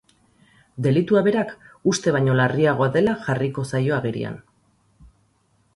Delitua berak uste baino larriagoa dela jarriko zaio agerian.